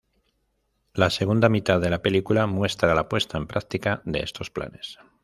La segunda mitad de la película muestra la puesta en práctica de estos planes.